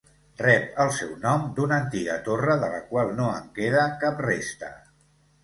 Rep el seu nom d'una antiga torre de la qual no en queda cap resta.